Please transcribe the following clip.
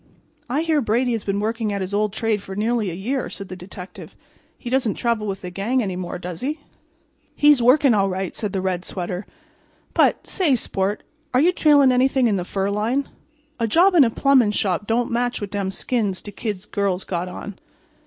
"I hear Brady has been working at his old trade for nearly a year," said the detective. "He doesn't travel with the gang any more, does he?" "He's workin', all right," said the red sweater, "but—say, sport, are you trailin' anything in the fur line? A job in a plumbin' shop don' match wid dem skins de Kid's girl's got on."